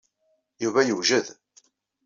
Yuba yewjed.